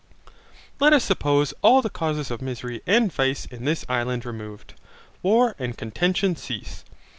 Let us suppose all the causes of misery and vice in this island removed. War and contention cease.